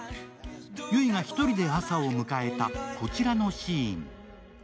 悠依が１人で朝を迎えたこちらのシーン。